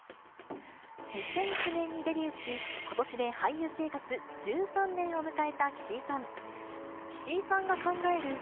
２００９年にデビューし、ことしで俳優生活１３年を迎えた岸井さん。